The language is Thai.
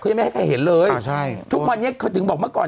ยังไม่ให้ใครเห็นเลยใช่ทุกวันนี้เขาถึงบอกเมื่อก่อน